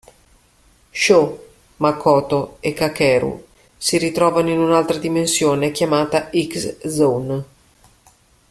Sho, Makoto e Kakeru si ritrovano in un'altra dimensione chiamata X Zone.